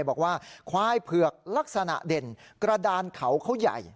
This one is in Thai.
บอกว่าควายเผือกลักษณะเด่นกระดานเขาเขาใหญ่